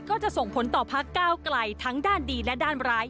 ก็จะส่งผลต่อพักก้าวไกลทั้งด้านดีและด้านร้าย